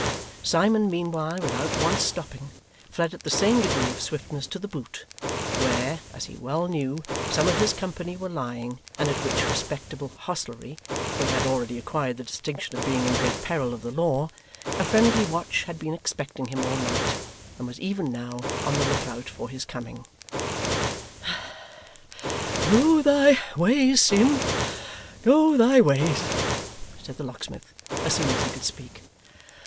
Simon meanwhile, without once stopping, fled at the same degree of swiftness to The Boot, where, as he well knew, some of his company were lying, and at which respectable hostelry for he had already acquired the distinction of being in great peril of the law a friendly watch had been expecting him all night, and was even now on the look out for his coming. 'Go thy ways, Sim, go thy ways,' said the locksmith, as soon as he could speak.